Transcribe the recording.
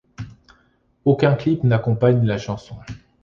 Aucun clip n'accompagne la chanson.